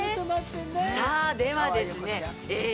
さあ、ではですね